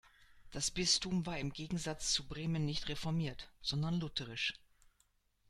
Das Bistum war im Gegensatz zu Bremen nicht reformiert, sondern lutherisch.